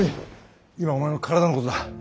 今はお前の体のことだ。